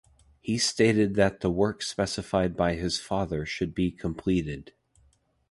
He stated that the work specified by his father should be completed.